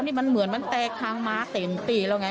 อันนี้มันเหมือนแต่ครั้งม้าเต็มตีแล้วไง